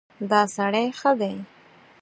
دا سړی ښه دی.